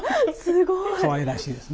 すごい。